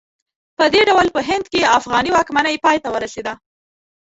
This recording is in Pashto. په دې ډول په هند کې افغاني واکمنۍ پای ته ورسېده.